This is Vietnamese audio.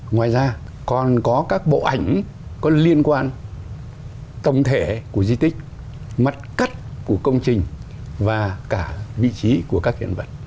ngoài ra còn có các bộ ảnh có liên quan tổng thể của di tích mặt cắt của công trình và cả vị trí của các hiện vật